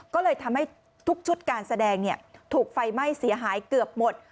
ก็เลยทำให้ทุกชุดการแสดงถูกไฟไหม้เสียหายเกือบหมด